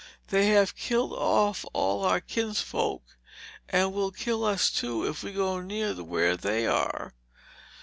They have killed off all our kinsfolk and will kill us, too, if we go near where they are."